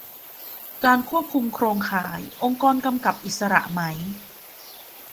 การควบคุมโครงข่าย องค์กรกำกับอิสระไหม